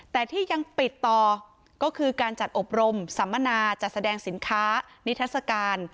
แต่ที่ยังปิดต่อก็คือการจัดอบรมสัมมนาจัดแสดงสินค้านิทัศกาล